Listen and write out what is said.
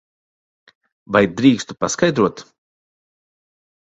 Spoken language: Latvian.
Vai drīkstu paskaidrot?